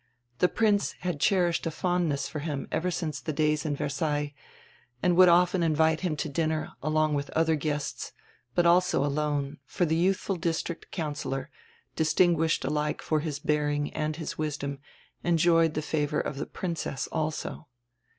The Prince had cherished a fondness for him ever since the days in Versailles, and would often invite him to dinner, along with other guests, but also alone, for the youthful district councillor, dis tinguished alike for his bearing and his wisdom, enjoyed die favor of die Princess also.